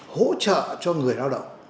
hỗ trợ cho người lao động